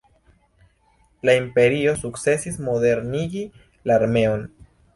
La Imperio sukcesis modernigi la armeon.